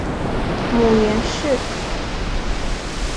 母袁氏。